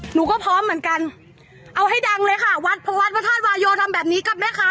หนูก็พร้อมเหมือนกันเอาให้ดังเลยค่ะวัดพระวัดพระธาตุวายโยทำแบบนี้กับแม่ค้า